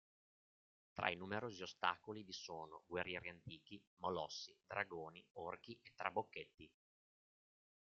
Tra i numerosi ostacoli, vi sono guerrieri antichi, molossi, dragoni, orchi e trabocchetti.